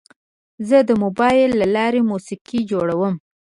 زه د موبایل له لارې موسیقي جوړوم.